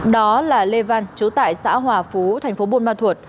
đó là lê văn chú tại xã hòa phú thành phố buôn ma thuột